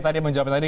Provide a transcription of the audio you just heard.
tadi menjawab tadi